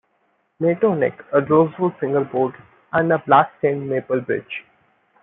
Nato Neck, a Rosewood Fingerboard, and a Black-Stained Maple Bridge.